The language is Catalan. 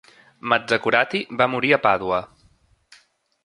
Mazzacurati va morir a Pàdua.